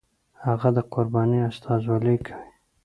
هغه د قربانۍ استازولي کوي.